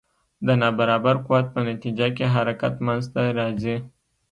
د نا برابر قوت په نتیجه کې حرکت منځته راځي.